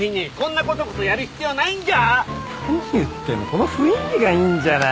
この雰囲気がいいんじゃない。